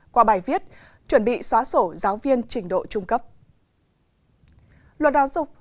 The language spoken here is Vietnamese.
qua bài viết chuẩn bị xóa sổ giáo viên trình độ trung cấp